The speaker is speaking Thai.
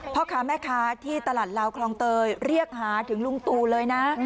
พ่อค้าแม่ค้าที่ตลาดลาวคลองเตยเรียกหาถึงลุงตูเลยนะ